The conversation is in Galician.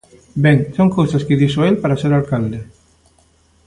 Ben, son cousas que dixo el para ser alcalde.